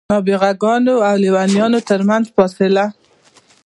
د نابغه ګانو او لېونیانو ترمنځ فاصله.